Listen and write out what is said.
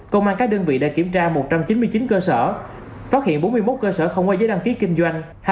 công an các đơn vị đã kiểm tra một trăm chín mươi chín cơ sở phát hiện bốn mươi một cơ sở không có giấy đăng ký kinh doanh